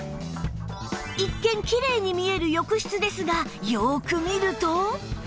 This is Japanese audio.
一見きれいに見える浴室ですがよく見ると